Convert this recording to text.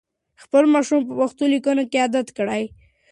خپل ماشومان په پښتو لیکلو عادت کړئ.